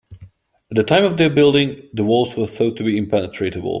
At the time of their building, the walls were thought to be impenetrable.